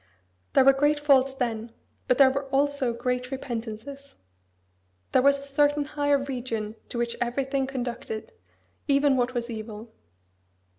There were great faults then; but there were also great repentances. There was a certain higher region to which everything conducted even what as evil."